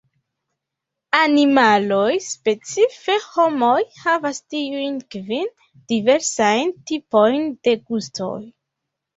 Animaloj, specife homoj, havas tiujn kvin diversajn tipojn de gustoj.